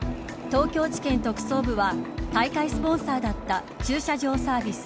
東京地検特捜部は大会スポンサーだった駐車場サービス